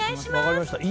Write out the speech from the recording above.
分かりました。